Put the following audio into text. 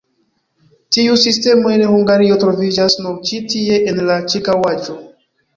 Tiu sistemo en Hungario troviĝas nur ĉi tie en la ĉirkaŭaĵo.